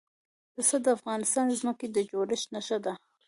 پسه د افغانستان د ځمکې د جوړښت نښه ده.